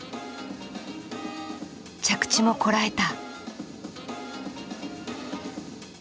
着地もこらえた。